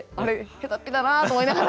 へたっぴだなと思いながら。